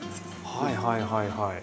はいはいはいはい。